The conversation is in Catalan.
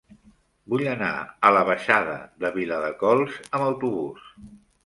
Vull anar a la baixada de Viladecols amb autobús.